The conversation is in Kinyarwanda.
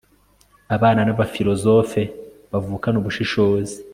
Abana nabafilozofe bavukana ubushishozi